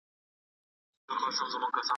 دا کیسه د یو غریب سړي د ژوند انځور دی.